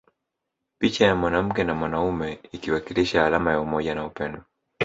Picha ya mwanamke na mwanaume ikiwakilisha alama ya umoja na upendo